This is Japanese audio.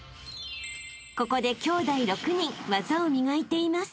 ［ここできょうだい６人技を磨いています］